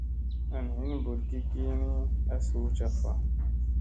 An hin mbuɗugi ki ni a suu caffa.